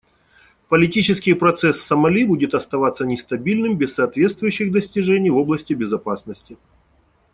Политический прогресс в Сомали будет оставаться нестабильным без соответствующих достижений в области безопасности.